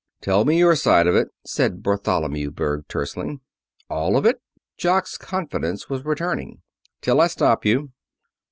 "Tell me your side of it," said Bartholomew Berg tersely. "All of it?" Jock's confidence was returning. "Till I stop you."